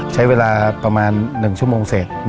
ใช้เวลาประมาณ๑ชั่วโมงเศษ